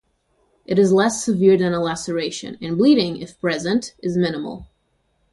It is less severe than a laceration, and bleeding, if present, is minimal.